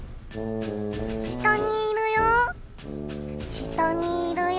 下にいるよ